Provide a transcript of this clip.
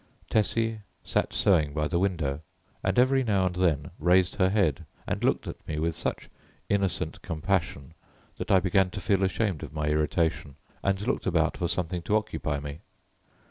Tessie sat sewing by the window, and every now and then raised her head and looked at me with such innocent compassion that I began to feel ashamed of my irritation and looked about for something to occupy me.